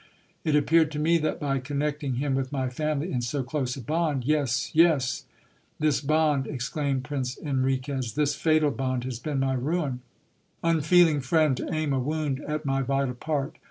It appeared to me that by connecting him with my family in so close a bond Yes, yes ! This bond, exclaimed Prince Enriquez, this fatal bond has been my ruin. Unfeeling friend, to aim a wound at my vital part